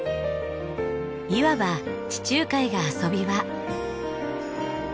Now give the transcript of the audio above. いわば地中海が遊び場。